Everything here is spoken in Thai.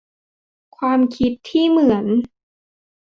ความคิดที่เหมือน